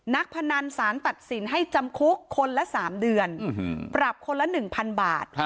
พนันสารตัดสินให้จำคุกคนละ๓เดือนปรับคนละ๑๐๐๐บาท